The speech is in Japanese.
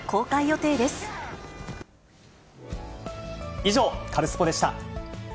以上、カルスポっ！でした。